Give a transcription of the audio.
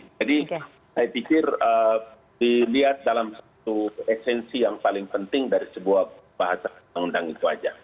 saya pikir dilihat dalam satu esensi yang paling penting dari sebuah bahasa undang undang itu aja